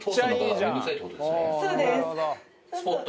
そうです。